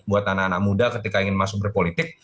buat anak anak muda ketika ingin masuk berpolitik